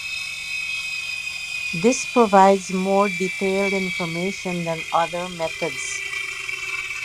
This provides much more detailed information than other methods.